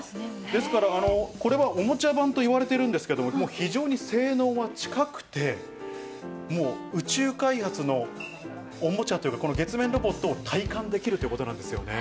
ですからこれはおもちゃ版といわれてるんですけど、もう非常に性能は近くて、宇宙開発のおもちゃというか、この月面ロボットを体感できるということなんですよね。